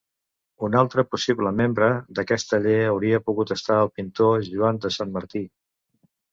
Un altre possible membre d’aquest taller hauria pogut estar el pintor Joan de Sant Martí.